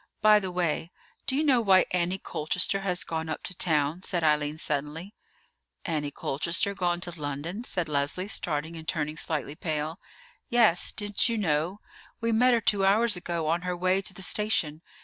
"By the way, do you know why Annie Colchester has gone up to town?" said Eileen suddenly. "Annie Colchester gone to London?" said Leslie, starting and turning slightly pale. "Yes: didn't you know? We met her two hours ago on her way to the station.